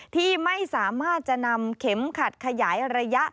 ที่ไม่สามารถจะนำเข็มขัดขยายระยะ